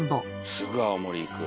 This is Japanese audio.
すぐ青森行く。